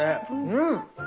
うん！